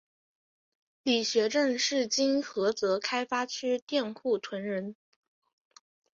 李学政是今菏泽开发区佃户屯人。